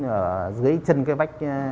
ở dưới chân cái vách